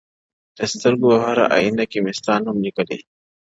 د سترگو هره ائينه کي مي ستا نوم ليکلی”